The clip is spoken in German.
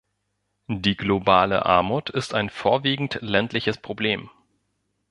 Die globale Armut ist ein vorwiegend ländliches Problem.